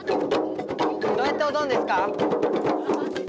どうやっておどんですか？